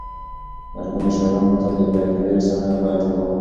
لرغوني شاعران به تل د طبیعت په ستاینه پیل کاوه.